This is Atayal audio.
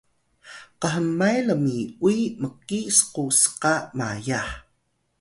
khmay lmi’uy mki sku s’ka mayah